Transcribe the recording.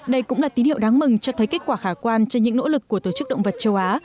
đây cũng là tín hiệu đáng mừng cho thấy kết quả khả quan cho những nỗ lực của tổ chức động vật châu á